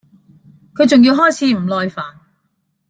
佢仲要開始唔耐煩